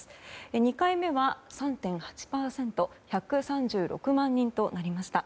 ２回目は３．８％１３６万人となりました。